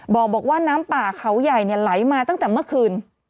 บอกว่าน้ำป่าเขาใหญ่ไหลมาตั้งแต่เมื่อคืน